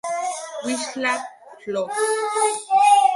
Wisła Płock